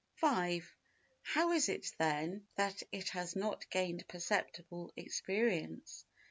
5. How is it, then, that it has not gained perceptible experience?